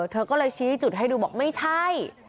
เธอก็เลยชี้จุดให้ดูบอกไม่ใช่